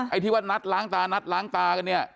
ไอ้ที่ว่านัดล้างตานัดล้างตากันเนี่ย